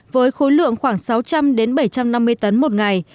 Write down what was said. với khối lượng khoảng sáu trăm linh bảy trăm năm mươi tấn một ngày